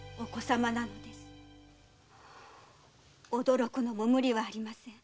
驚くのも無理はありません。